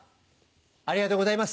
ありがとうございます。